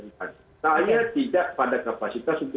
saya tidak pada kapasitas untuk